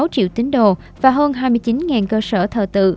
hai mươi sáu triệu tín đồ và hơn hai mươi chín ngàn cơ sở thờ tự